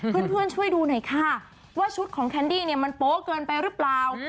เพื่อนช่วยดูหน่อยค่ะว่าชุดของแคนดี้เนี่ยมันโป๊ะเกินไปหรือเปล่า